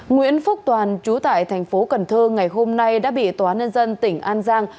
nguyễn phúc toàn chú tại thành phố cần thơ ngày hôm nay đã bị tòa nhân dân tỉnh an giang